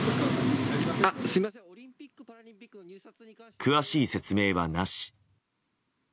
詳しい説明はなし。